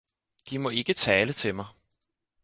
De må ikke tale til mig